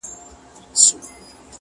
څوک چي ددې دور ملګري او ياران ساتي.